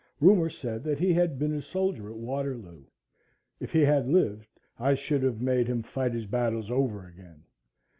Rumor said that he had been a soldier at Waterloo. If he had lived I should have made him fight his battles over again.